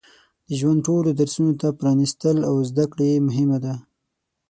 د ژوند ټولو درسونو ته پرانستل او زده کړه یې مهمه ده.